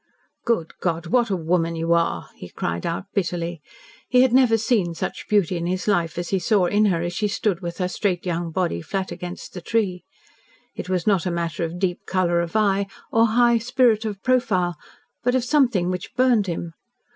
"Good God, what a woman you are!" he cried out bitterly. He had never seen such beauty in his life as he saw in her as she stood with her straight young body flat against the tree. It was not a matter of deep colour of eye, or high spirit of profile but of something which burned him.